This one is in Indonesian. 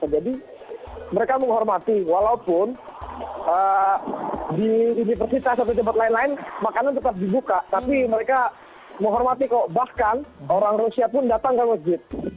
jadi mereka menghormati walaupun di universitas atau tempat lain lain makanan tetap dibuka tapi mereka menghormati kok bahkan orang rusia pun datang ke masjid